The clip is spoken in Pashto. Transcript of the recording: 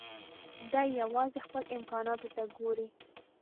دی يوازې خپلو امکاناتو ته ګوري.